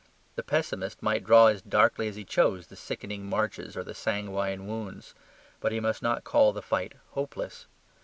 The pessimist might draw as darkly as he chose the sickening marches or the sanguine wounds. But he must not call the fight hopeless.